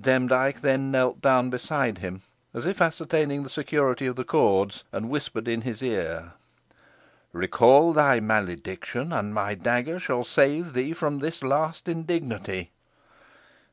Demdike then knelt down beside him, as if ascertaining the security of the cords, and whispered in his ear: "Recall thy malediction, and my dagger shall save thee from the last indignity."